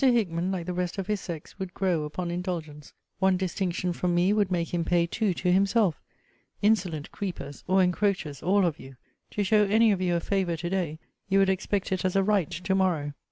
Hickman, like the rest of his sex, would grow upon indulgence. One distinction from me would make him pay two to himself. Insolent creepers, or encroachers all of you! To show any of you a favour to day, you would expect it as a right to morrow.